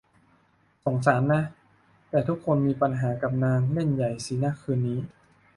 สงสารนะ แต่ทุกคนมีปัญหากับนาง เล่นใหญ่สินะคืนนี้